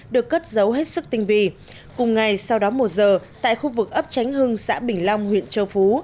được cất giấu hết sức tinh vi cùng ngày sau đó một giờ tại khu vực ấp tránh hưng xã bình long huyện châu phú